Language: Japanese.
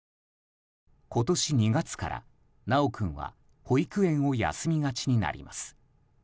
今年２月から修君は保育園を休みがちになります。